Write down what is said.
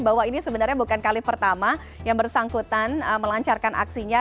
bahwa ini sebenarnya bukan kali pertama yang bersangkutan melancarkan aksinya